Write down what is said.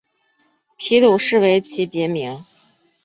皮鲁士为其别名。